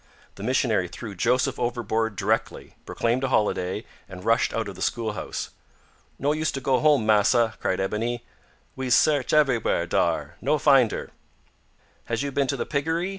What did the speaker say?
The missionary threw Joseph overboard directly, proclaimed a holiday, and rushed out of the school house. "No use to go home, massa," cried Ebony; "we's sarch eberywhere dar; no find her." "Has you been to the piggery?"